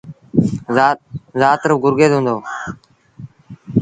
زآت رو گرگيز هُݩدو۔